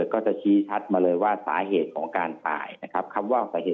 ก็จะชี้ชัดมาเลยว่าสาเหตุของการตายนะครับ